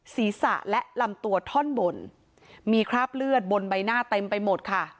ศีรษะและลำตัวท่อนบนมีคราบเลือดบนใบหน้าเต็มไปหมดค่ะ